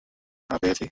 হা, পেয়ে গেছি।